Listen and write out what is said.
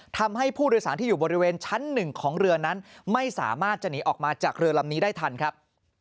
ทำให้ผู้โดยสารที่อยู่บริเวณชั้นหนึ่งของเรือนั้นไม่สามารถจะหนีออกมาจากเรือลำนี้ได้ทันครับ